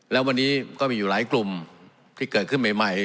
แล้ววันนี้ก็มีอยู่หลายกลุ่มที่เกิดขึ้นใหม่